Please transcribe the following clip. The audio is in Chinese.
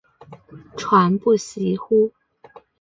传不习乎？